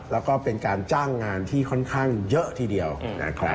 แล้วก็เป็นการจ้างงานที่ค่อนข้างเยอะทีเดียวนะครับ